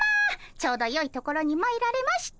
ちょうどよいところにまいられました。